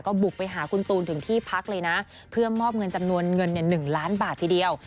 บุกไปหาคุณตูนถึงที่พักเลยนะเพื่อมอบเงินจำนวนเงิน๑ล้านบาททีเดียว